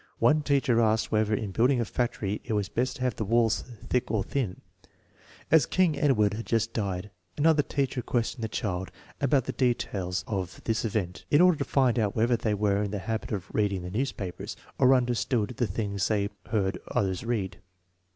One teacher asked whether in building a factory it was best to have the walls I hick or Hurt. As King Edward had just died, another toucher questioned the children about the details of this event, in order lo find out whether they were iu the habit of reading the newspapers, or understood the things they hoard others read.